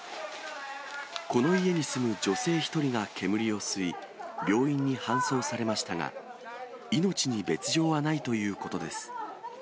この家に住む女性１人が煙を吸い、病院に搬送されましたが、命に別状はないということです。